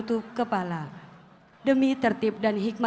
tuhan di atasku